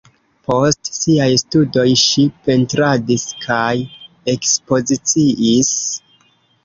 Post siaj studoj ŝi pentradis kaj ekspoziciis.